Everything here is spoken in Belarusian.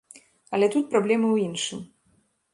Але тут праблема ў іншым.